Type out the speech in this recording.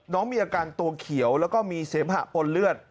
น้องมีอาการตัวเขียวแล้วก็มีเสมหะปนเลือด